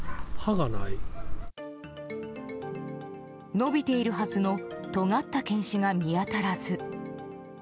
伸びているはずのとがった犬歯が見当たらず。